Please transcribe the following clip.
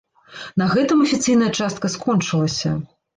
На гэтым афіцыйная частка скончылася.